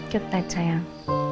jatuh aja sayang